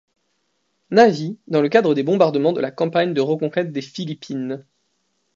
Navy, dans le cadre des bombardements de la campagne de reconquête des Philippines.